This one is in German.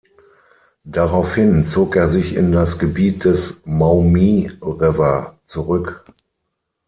Daraufhin zog er sich in das Gebiet des "Maumee River" zurück.